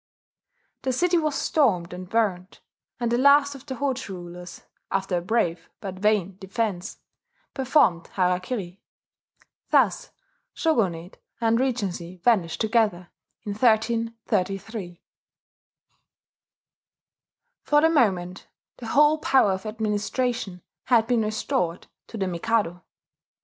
The city was stormed and burned; and the last of the Hojo rulers, after a brave but vain defence, performed harakiri. Thus shogunate and regency vanished together, in 1333. For the moment the whole power of administration had been restored to the Mikado.